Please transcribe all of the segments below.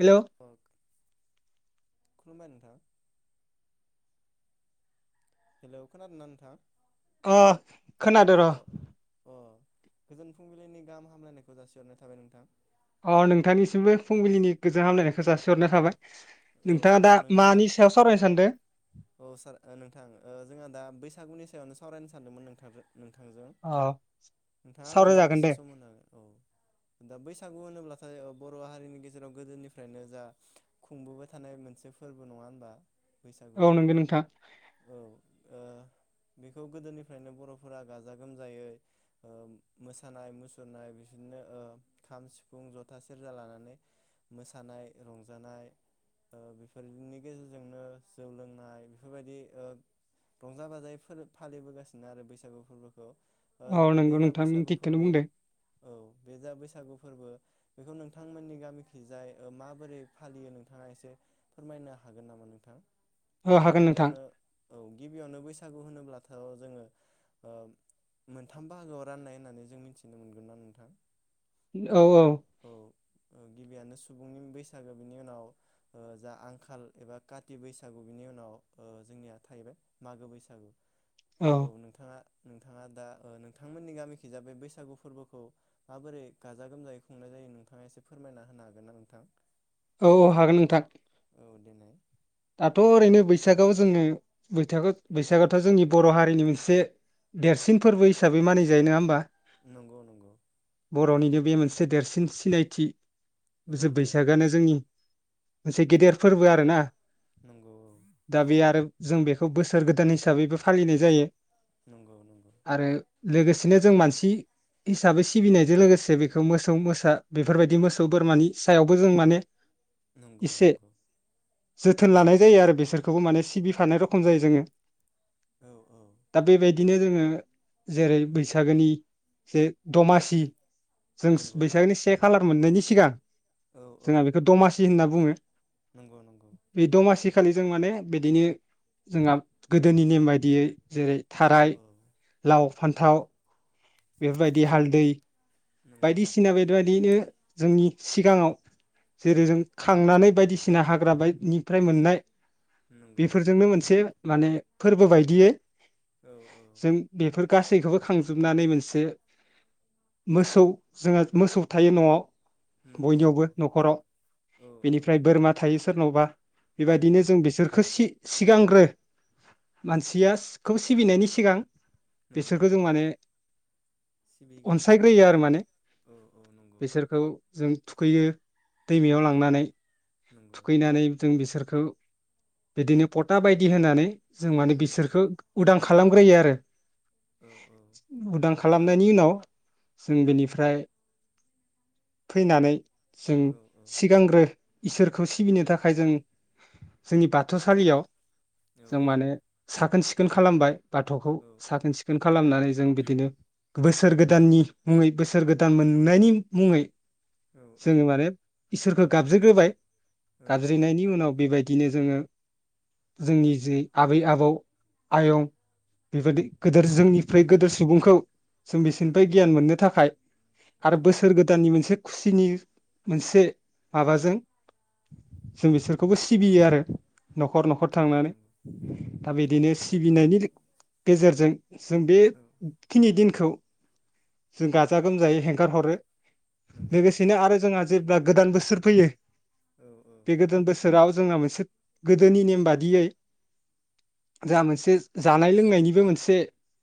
हेल' [unintelligible] हेल' खोनादोंना नोंथां अ खोनादों र अ अ गोजोन फुंबिलिनि गाहाम हामलायनायखौ जासिहरनाय थाबाय नोंथां अ नोंथांनिसिमबो फुंबिलिनि गोजोन हामलायनायखो जासिहरनाय थाबाय। औ नोंथाङा ओ दा नोंथाङा मानि सायाव सावरायनो सानदो? औ सार ओ नोंथां ओ जोंहा दा बैसागुनि सायावनो सावरायनो सानदोंमोन नोंथांदो। नोंथांजों अ नोंथाङा आंनो सावरायजागोन दान्दिसे दे सम होनो हागोन औ दा बैसा गु होनोब्लाथाय ओ बर' हारिनि गेजेराव गोदोनिफ्रायनो जा खुंबोबाय थानाय मोनसे फोरबो नङा होनबा? बैसागुआ गो नोंथां औ ओ बेखौ गोदोनिफ्रायनो बर'फोरा गाजा गोमजायैओम मोसानाय मुसुरनाय बिसोरनो ओ खाम, सिफुं, जथा, सेरजा लानानै मोसानाय रंजानाय ओ बेफोरनि गेजेरजोंनो जौ लोंनाय बेफोरबायदि ओ रंजा बाजायै फोर फालिबोगासिनो आरो बैसागु फोरबोखौ। ओ औ बे नंगौ जा नोंथां नों बैसागु थिगखोनो फोरबो बुंदो। औ बे जा बैसागु फोरबो बेखौ नोंथांमोननि गामिखिजाय माबोरै फालियो नोंथाङा एसे फोरमायनो हागोन नामा नोंथां? औ ओ हागोन नोंथां गिबियावनो औ गिबियावनो बैसागु होनोब्लाथ' जोङो ओ मोनथाम बाहागोआव राननाय होननानै जों मिथिनो मोनगोन ना नोंथां औ औ ओ गिबियानो सुबुंनि बैसागो बिनि उनाव ओ जा आंखाल एबा काति बैसागु बिनि उनाव ओ जोंनिया थाहैबाय मागो बैसागु औ नोंथाङा नोंथाङा दा ओ नोंथांमोननि गामिखि जा बे बैसागु फोरबोखौ माबोरै गाजा गोमजायै खुंनाय जायो नोंथाङा एसे फोरमायना होनो हागोन ना नोंथां? औ औ हागोन नोंथां औ देनाय दाथ' ओरैनो बैसागोआव जोङो बैथागो बैसागोआथ' जोंनि बर' हारिनि मोनसे देरसिन फोरबो हिसाबै मानिजायो नोङा होमबा? नंगौ नंगौ बर'निनो बे मोनसे देरसिन सिनायथि औ जो औ बैसागोआनो जोंनि मोनसे गेदेर फोरबो आरो ना नंगौ औ दा बे जों बेखौ बोसोर गोदान हिसाबैबो फालिनाय जायो। नंगौ नंगौ आरो लोगोसेनो जों मानसि हिसाबै सिबिनायजों लोगोसे बेखौ मोसौ मोसा बेफोरबायदि मोसौ बोरमानि सायावबो जों माने नंगौ एसे नंगौ जोथोन लानाय जायो आरो बिसोरखौबो माने सिबिफानाय रखम जायो जोङो। औ औ दा बे बाय बिदिनो जोङो जेरै बैसागोनि जे दमासि जोंस नंगौ बैसागोनि सेख कालार मोननायनि सिगां औ औ [inaudible] बुङो नंगौ न बे दमासि खालि जों माने बिदिनो जोंहा गोदोनि नेम बायदियै जेरै औ थाराय औ लाव फान्थाव बेफोरबायदि हालदै नंगौ बायदिसिना बेदबायदिनो जोंनि सिगाङाव जेरै जों खांनानै बायदिसिना हाग्रा बायदनिफ्राय मोननाय नंगौ बेफोरजोंनो मोनसे माने फोरबो बायदियै औ औ जों बेफोर गासैखौबो खांजोबनानै मोनसे मोस थौ जोङहा मोसौ थायो न'आव नंगौ बयनियावबो नंगौ न'खराव औ औ बेनिफ्राय बोरमा थायो सोरनावबा नंगौ बेबायदिनो जों बिसोरखो सि सिगांग्रो मानसिया सिखौ सिबिनायनि सिगां नंगौ बिसोरखौ जों नंगौ माने सिबिग्रोयो आरोना अनसायग्रोयो आ ने औ औ नंगौ बिसोरखौ जों थुखै बियो दैमायाव लांनानै नंगौ थुखैनानै जों बिसोर खौ बिदिनो पथा बायदि होनानै जों माने औ औ बिसोरखो उदां खालामग्रोयो आरो औ उदां औ खालामनायनि उनाव जों बेनिफ्राय फैनानै जों ओ औ सिगांग्रो इसोरखौ सिबिनो थाखाय जों जोंनि बाथौसालियाव जों मानो साखोन सिख खोन खालामबाय बाथौखौ साखोन सिखोन खालामनानै जों बिदिनो बोसोर गोदाननि मुङै बोसोर गोदान मोननायनि मुङै जोङो माने इसोरखो गाबज्रिग्रोबाय औ औ गाबज्रिनायनि उनाव बेबायदिनो जोङो जोंनि जि आबै आबौ आयं बेबादि गोदोर जोंनिफ्राय गोदोर सुबुंखौ जों नंगौ बिसोरनिफ्राय गियान नंगौ मोननो थाखाय औ आरो औ बोसोर गोदाननि मोनसे खुसिनि मोनसे माबाजों जों बिसोरखौबो सिबियो आरो न'खर न'खर नंगौ थांनानै नंगौ दा बिदिनो ओ सिबिनायनि गेजेरजों जों बे औ खिनि दिनखौ जों गाजा गोमजायै हेगारहरो। नंगौ नंगौ लोगोसेनो आरो जोंहा जेब्ला गोदान बोसोर फैयो। औ औ बे बोसोराव जोंहा मोनसे गोदोनि नेम बादियै जा मोनसे जानाय लोंनायनिबो मोनसे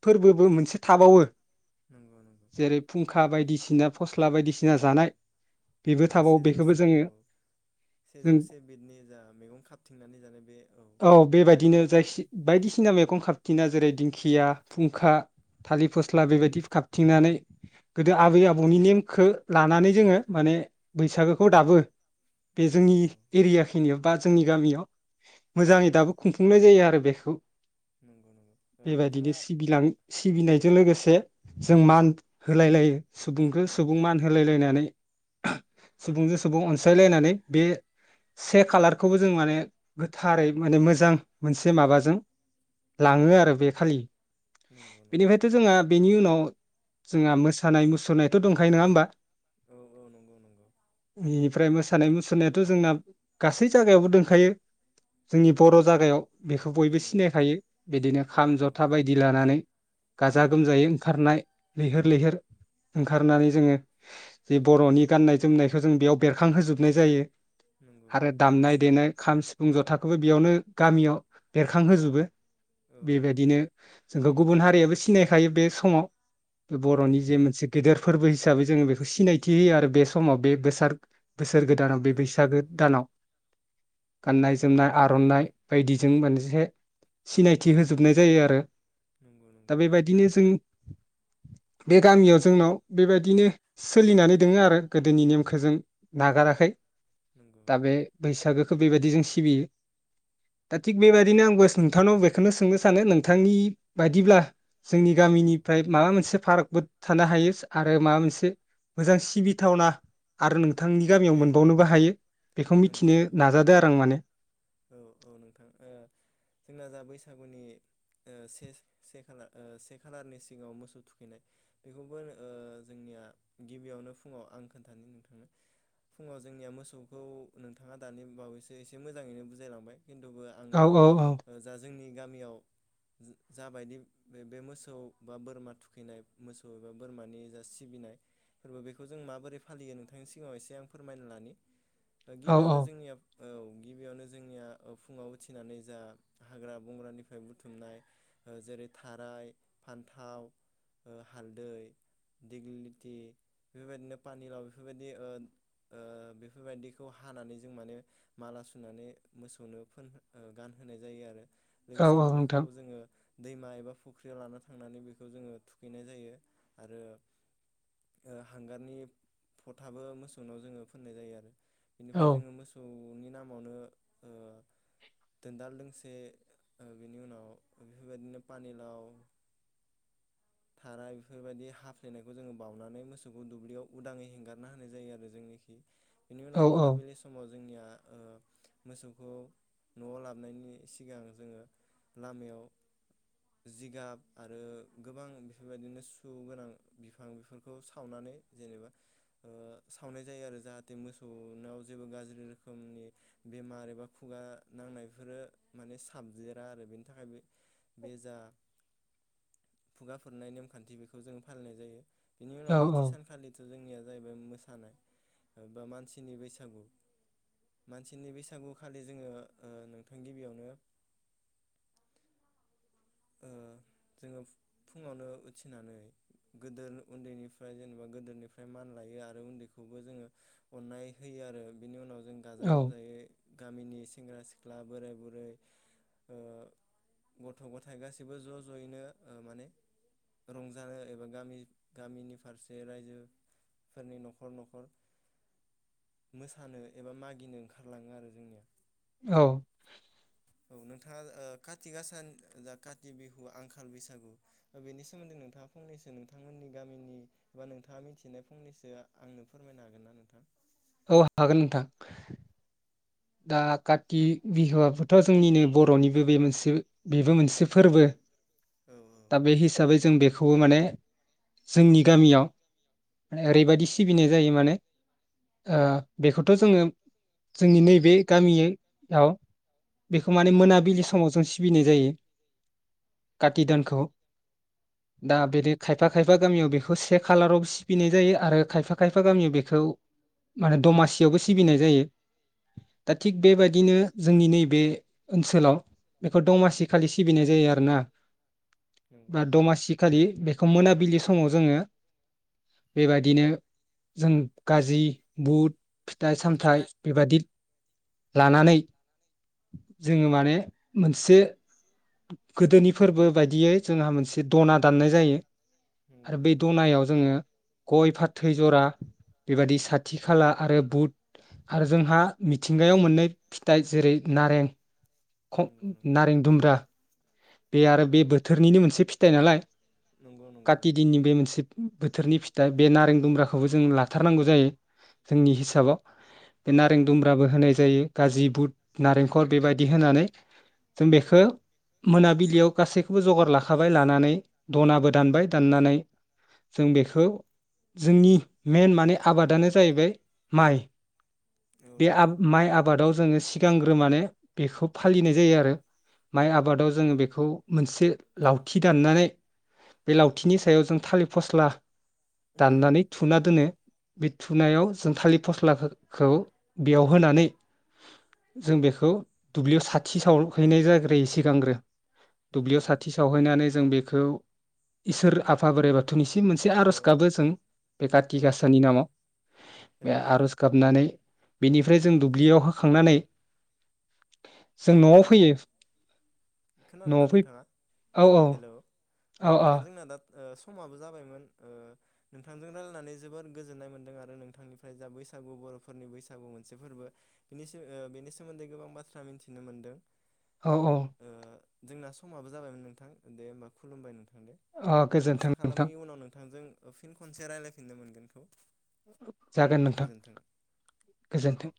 फोरबोबो मोनसे थाबावो नंगौ नंगौ जेरै फुंखा बायदि थिना फस्ला बायदिसिना जानाय। बेबो नंगौ थाबावो सेजौ बेखौबो से जोङो औ जों सेजौ से बिदनि जा मैगं खाबथिंनानै जानाय बे औ बेबायदिनो जायखि बायदिसिना मैगं खााबथिना जेरै दिंखिया फुंखा थालिर फस्ला बेबायदि खाबथिंनानै गोदो आबै आबौनि नेमखौ लानानै जोङो माने बैसागोखौ दाबो बे औ जोंनि एरिया खिनियाव बा जोंनि गामियाव औ मोजाङै औ दाबो खुंफुंनाय जायो आरो बेखौ नंगौ नंगौ ओ बेबायदिनो नोंथाङा सिबिलां सिबिनायजों लोगोसे जों मान होलाय लायो। सुबुंखौ औ सुबुं मान होलायलायनानै सुबुंजों सुबुं अनसायलायनानै बे से कालारखौबो जों माने गोथारै माने मोजां मोनसे माबाजों लाङो आरो बे खालि नंगौ नंगौ बेनिफ्रायथ' जोंहा बेनि उनाव जोंहा मोसानाय मुसुरनायथ' दंखायो नङा होमबा? औ औ नंगौ नंगौ [unintelligible] फ्राय मोसा सानाय मुसुरनायाथ' जोंना गासै जायागायावबो दोंखायो जोंनि बर' जागायाव बेखौ बयबो नंगौ सिनायखायो बिदिनो औ खाम औ जथा बायदि लानानै गाजा गोमजायै ओंखारनाय लैहोर लैहोर ओंखारनानै जोङो जि बर'नि गाननाय जोमनायखौ जों बेयाव बेरखांहोजोब नाय जायो। नंगौ नंगौ आरो दामनाय देनाय खाम सिफुं जथाखौबो बेयावनो गामियाव बेरखांहोजोबो। औ औ बेबायदिनो जोंखौ गुबुन हारि याबो सिनायखायो बे समाव। बे बर'नि जे नंगौ मोनसे गेदेर फोरबो हिसाबै जोङो बेखौ सिनायथि होयो आरो बे समाव बे बेसारद बोसोर गोदानाव औ बे बैसागो औ दानाव गाननाय जोमनाय आर'नाइ बायदिजों मोनसे सिनायथि होजोबनाय जायो आरो नंगौ दा नंगौ बेबायदिनो जों बे गामियाव जोंनाव बेबायदिनो सोलिनानै दोङो आरो गोदोनि नेमखो जों नागाराखै। नंगौ दा बे नंगौ बैसागो बेबायदि जों सिबियो। दा थिग बेबायदिनो आंबो नोंथांनाव बेखौनो सोंनो सानो नोंथांनि बायदिब्ला जोंनि औ औ गामिनिफ्राय माबा मोनसे पार्क ब थानो हायो आरो माबा मोनसे मोजां सिबिथावना आरो नों थांनि गामियाव मोनबावनोबो हायो। बेखौ नंगौ मिथिनो नंगौ नाजादो आरो आं माने। औ औ नोंथां ओ जोंना जा बैसागुनि ओ से से खालार से खालारनि सिगाङाव मोसौ थुखैनाय बेखौबो ओ जोंनिया गिबियावनो फुङाव आं खोन्थानि नोंथांनो फुङाव जोंनिया मोसौखौ नोंथाङा दानि बावैसो एसे मोजाङैनो बुजि जाय‌लांबाय खिन्थुबो औ औ औ आङो जा जोंनि - गामियाव जाबायदि बे बे मोसौ बा बोरमा थुखैनाय मोसौ एबा बोरमानि जा सिबिनाय फोरबो बेखौ जों माबोरै फालियो नोंथांनि सिगाङाव एसे आं फोरमायना लानि। औ गिबियावनो जोंनिया औ गिबियावनो जोंनिया फुङाव उथिनानै जा हाग्रा बंग्रानिफ्राय बुथुमनाय जेरै थाराय फान्थाव हालदै दिग्लिलिथि बेफोरबायदिनो पानिलाव बेफोरबायदि ओ बेफोरबायदिखौ हानानै जों माने माला सुनानै मोसौनो फोन ओ गानहोनाय जायो आरो। औ लोगोसेनो औ बेखौ नोंथां जोङो दैमा एबा फुख्रियाव लाना थांनानै बेखौ जोङो थुखैनाय जायो आरो हांगारनि फथाबो मोसौनाव जोङो फोननाय जायो आरो। औ बेनिफ्राय जोङो मोसौ न'नि नामावनो ओ दोनदाल दोंसे बेनि उनाव बेफोरबायदिनो पानिलाव थाराय बेफोरबायदि हाफ्लेनायखौ जोङो बाउनानै मोसौखौ दुब्लियाव उदाङै हेंगारना होनाय जायो आरो जोंनिखि। बेनि औ उनाव औ मोनाबिलि समाव जोंनिया मोसौखौ न'आव लाबोनायनि सिगां जोङो लामायाव जिगाब आरो गोबां बेफोरबायदिनो सु गोनां बिफां बेफोरखौ सावनानै जेनेबा सावनाय जायो आरो जाहाथे मोसौनाव जेबो गाज्रि रोखोमनि बेमार एबा खुगा नांनायफोरो माने साबदेरा आरो बेनि थाखाय बे बे जा खुगा फोरनाय नेमखान्थि बेखौ जों फालिनाय जायो। बिनि उनाव नैथि सानखालि जोंनिया जाहैबाय मोसानाय बा मानसिनि बैसागु। मानसि मनसिनि बैसागु खालि जोङो ओ नोंथां गिबियावनो जोङो फुङावनो उथिनानै गोदो उन्दैनिफ्राय जेनेबा गोदोनिफ्राय मान लायो आरो उन्दैखौबो जोङो अननाय होयो आरो बिनि उनाव। जों गाजा औ गोमजायै। गामिनि सेंग्रा सिख्ला बोराय बुरै गथ' गथा थाय गासैबो ज' ज'यैनो माने रंजानो एबा गामि गामिनि फारसे रायजोफोरनि न'खर न'खर मोसानो एबा मागिनो ओंखारलाङो आरो जोंनिया। औ। औ नोंथाङा काथि गासा जा काथि बिहु आंखाल बैसागु बेनि सोमोन्दै नोंथाङा फंनैसो नोंथांमोननि गामिनि बा नोंथाङा मिथिनाय फंनैसो आंनो फोरमायनो हागोन ना नोंथां। औ हागोन नोंथां। दा काति बिहुआबोथ' जोंनिनो बर'निबो बे मोनसे बेबो मोनसे फोरबो। औ दा बे हीसाबै जों बेखौबो माने जोंनि गामियाव ओरैबायदि सिबिनाय जायो माने अ बेखौथ' जोङो जोंनि नै बे गामि याव बेखौ माने औ मोनाबिलि समाव जों सिबिनाय जायो। काटि दानखौ। दा नंगौ बिदि खायफा -खायफा गामियाव बेखौ से खालाराव सिबिनाय जायो आरो खायफा- खायफा गामियाव बेखौ माने दमासियावबो सिबिनाय जायो। दा थिग औ बेबायदिनो जोंनि नैबे ओनसोलाव बेखौ दमासि खालि सिबिनाय जायो आरो ना। नंगौ नंगौ दमासि खालि बेखौ मोनाबि बिलिफांआव जोङो बेबादिनो जों गाज्रि बुट फिथाइ सामथाइ बेबादि लानानै जोङो माने मोनसे गोदोनि फोरबो बायदियै जोंहा मोनसे दना दाननाय जायो। नंगौ नंगौ आरो बै द'नायाव जोङो गय फाथै जरा बेबादि साथि खाला आरो बुट आरो जोंहा मिथिंगायाव मोननै फिथाइ जेरै नारें नारें दुम्ब्रा। बे औ आरो बे बोथोरनिनो मोनसे फिथाइ नालाय नंगौ नंगौ काति दिननि बे मोनसे बोथोरनि फिथाइ बे नारें दुमब्राखौबो जों लाथारनांगौ जायो जोंनि हिसाबाव बे औ नारें दुम्ब्राबो होनाय जायो। गाज्रि बुट नारेंखल बेबायदि होनानै जों बेखो मोनाबिलियाव गासैखौबो जगार लाखाबाय लानानै द'। नाबो दानबाय दाननानै जों बेखौ जोंनि मेन माने आबादानो जाहैबाय माइ। औ बे आ नंगौ माइ आबादाव जोङो सिगांग्रो माने बेखौ फालिनाय जायो आरो माइ आबादाव जोंडो बेखौ मोनसे लावथि दाननानै बे लावथिनि सायाव जों थालिर फस्ला दाननानै थुना दोनो। बे थुनायाव जों थालिर फस्लाखौ बेयाव होनानै जों बेखौ दुब्लियाव साथि साव हैनाय जाग्रोयो सिगांग्रो। दुब्लियाव नंगौ साथि नंगौ सावहैनानै जों बेखौ इसोर आफा बोराइ बाथौनिसिम मोनसे हेलौ आर'ज गाबो जों बे काति औ औ गाासानि नंगौ नामाव बे हेलौ नोंथां आर'ज गाबनानै बेनिफ्राय हेलौ जों नोंथां दुब्लियाव होखांनानै जों हेलौ न'आव नोंथां फैयो न'आव खोनादोंना फै नोंथाङा औ औ हेल' औ नोंथांजोंना दा ओ समाबो जाबायमोन ओ नोंथांजों रायजल्लायनानै जोबोर गोजोननाय मोनदों आरो नोंथांनिफ्राय जा बैसागु बर फोरनि बैसागु मोनसे फोरबो बेनि सो ओ बेनि सोमोन्दै गोबां बाथ्रा मिनथि नो मोन्दों औ औ जोंना समाबो जाबायमोन नोंथां दे होमबा खुलुमबाय नों अ गोजोन्थों आसा नोंथां खालामो उनाव नोंथांजों फिन खनसे रायजलायफिननो मोनगोनखौ जागोन नोंथां गोजोन्थों। गोजोनथों